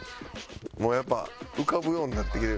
もうやっぱ浮かぶようになってきてる。